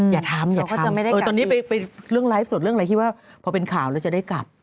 อย่าทำตอนนี้ไปเรื่องไลฟ์ส่วนเรื่องอะไรคิดว่าพอเป็นข่าวแล้วจะได้กลับ